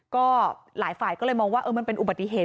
ก็หลายฝ่ายก็เลยมองว่ามันเป็นอุบัติเหตุ